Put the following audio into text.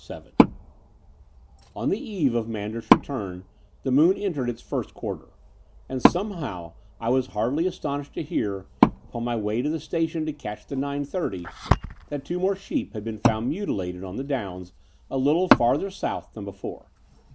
XIV On the eve of Manders's return the moon entered its first quarter; and somehow I was hardly as tonished to hear, upon my way to the station to catch the 9.30, that two more sheep had been found mutilated on the downs a little farther south than before.